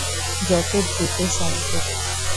যত দ্রুত সম্ভব।